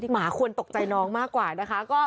หมาควรตกใจน้องมากกว่านะคะ